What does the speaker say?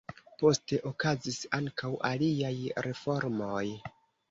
Poste okazis ankaŭ aliaj reformoj.